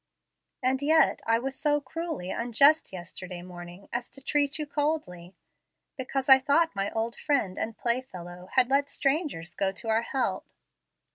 And yet I was so cruelly unjust yesterday morning as to treat you coldly, because I thought my old friend and playfellow had let strangers go to our help.